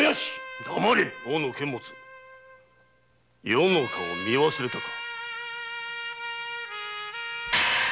余の顔を見忘れたか。